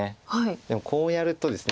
でもこうやるとですね